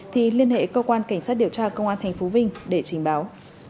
thì liên hệ cơ quan cảnh sát điều tra công an tp vinh để trình báo